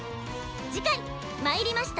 次回「魔入りました！